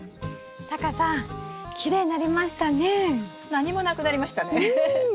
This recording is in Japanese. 何もなくなりましたねはい。